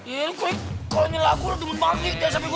ian kok ini lagu lu dengan bangi